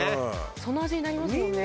その味になりますもんね。